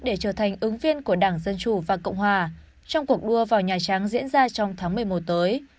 để trở thành ứng viên của đảng dân chủ và cộng hòa trong cuộc đua vào nhà trắng diễn ra trong tháng một mươi một tới